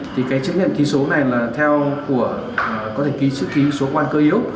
thì cái chứng nhận ký số này là theo của có thể ký chữ ký số quan cơ yếu